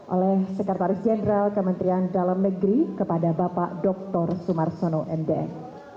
oleh sekretaris jenderal kementerian dalam negeri kepada bapak dr sumarsono mdm